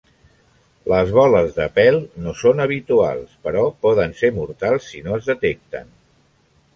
Les boles de pèl no són habituals, però poden ser mortals si no es detecten.